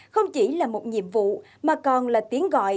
không chỉ là một nhiệm vụ mà còn là tiếng gọi